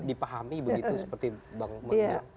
begitu seperti bang maria